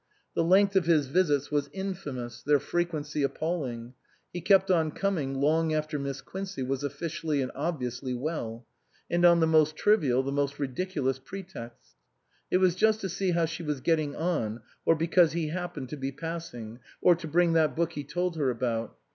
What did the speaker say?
The length of his visits was infamous, their frequency appalling. He kept on coming long after Miss Quincey was officially and ob viously well ; and on the most trivial, the most ridiculous pretexts. It was " just to see how she was getting on," or " because he happened to be passing," or "to bring that book he told her about."